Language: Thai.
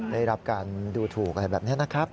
ได้รับการดูถูกอะไรแบบนี้นะครับ